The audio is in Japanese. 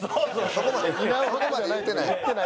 そこまで言ってない。